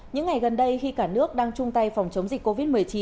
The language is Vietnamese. những ngày gần đây khi cả nước đang chung tay phòng chống dịch covid một mươi chín